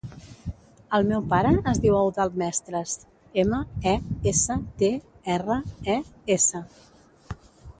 El meu pare es diu Eudald Mestres: ema, e, essa, te, erra, e, essa.